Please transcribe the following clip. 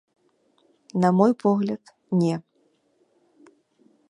На мой погляд, не.